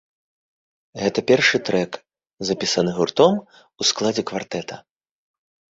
Гэта першы трэк, запісаны гуртом у складзе квартэта.